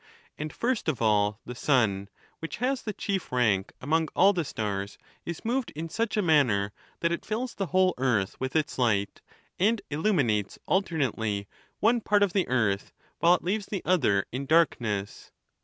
And first of all the sun, which has the chief rank among all the stars, is moved in such a manner that it fills the whole earth with its light, and illuminates alternately one part of the earth, while it leaves the other in darkness.